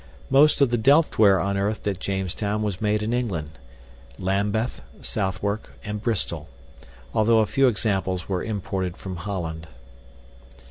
Most of the delftware unearthed at Jamestown was made in England (Lambeth, Southwark, and Bristol), although a few examples were imported from Holland.